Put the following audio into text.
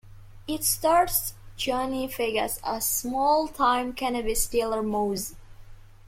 It stars Johnny Vegas as small-time cannabis dealer Moz.